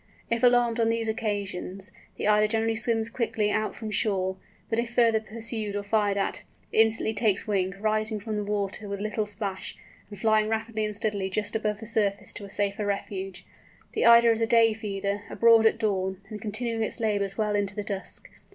If alarmed on these occasions, the Eider generally swims quickly out from shore, but if further pursued or fired at, it instantly takes wing, rising from the water with little splash, and flying rapidly and steadily just above the surface to a safer refuge. The Eider is a day feeder, abroad at dawn, and continuing its labours well into the dusk.